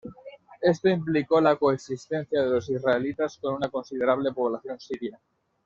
Esto implicó la coexistencia de los israelitas con una considerable población siria.